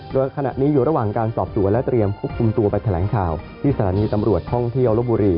โดยขณะนี้อยู่ระหว่างการสอบสวนและเตรียมควบคุมตัวไปแถลงข่าวที่สถานีตำรวจท่องเที่ยวลบบุรี